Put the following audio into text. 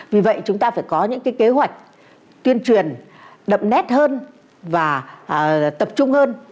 vì vậy chúng ta phải có những kế hoạch tuyên truyền đậm nét hơn và tập trung hơn